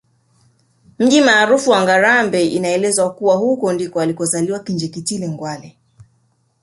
Mji maarufu wa Ngarambe inavyoelezwa kuwa huko ndiko alikozaliwa Kinjeketile Ngwale